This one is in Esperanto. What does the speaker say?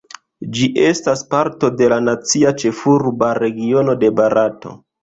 Ĝi estas parto de la Nacia Ĉefurba Regiono de Barato.